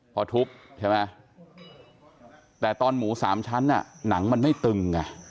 พอทุบใช่ไหมแต่ตอนหมูสามชั้นหนังมันไม่ตึงไง